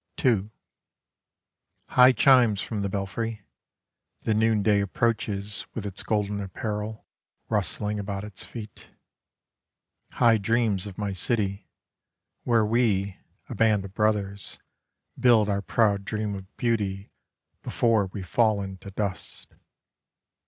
II High chimes from the belfry; The noonday approaches With its golden apparel Rustling about its feet. High dreams of my city, Where we, a band of brothers, Build our proud dream of beauty Before we fall into dust.